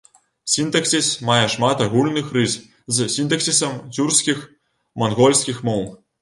Сінтаксіс мае шмат агульных рыс з сінтаксісам цюркскіх, мангольскіх моў.